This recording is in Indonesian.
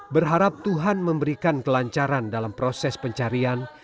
berharap tuhan memberikan kelancaran dalam proses pencarian